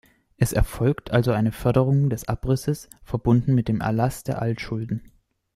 Es erfolgt also eine Förderung des Abrisses, verbunden mit dem Erlass der Altschulden.